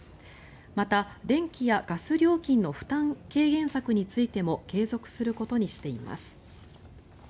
また、電気やガス料金の負担軽減策についても継続することにしています。